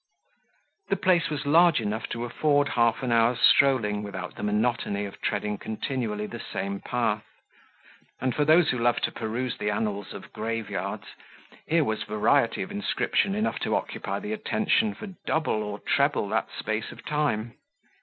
The place was large enough to afford half an hour's strolling without the monotony of treading continually the same path; and, for those who love to peruse the annals of graveyards, here was variety of inscription enough to occupy the attention for double or treble that space of time.